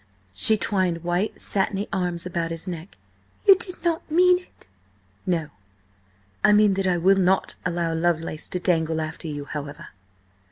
She twined white, satiny arms about his neck. "You did not mean it?" "No. I mean that I will not allow Lovelace to dangle after you, however."